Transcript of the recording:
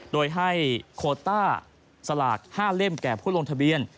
โดยให้โคต้าสลาก๕เล่มแก่ผู้ลงทะเบียน